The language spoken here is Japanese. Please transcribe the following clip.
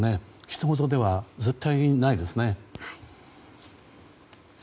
ひとごとでは絶対にないですね。